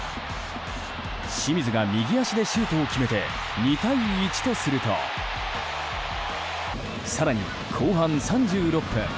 清水が右足でシュートを決めて２対１とすると更に、後半３６分。